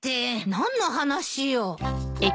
何の話よ。